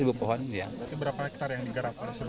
berapa hektare yang digarapkan seluruhnya